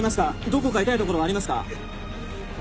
どこか痛いところはありますか？